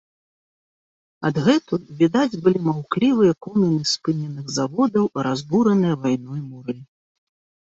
Адгэтуль відаць былі маўклівыя коміны спыненых заводаў, разбураныя вайной муры.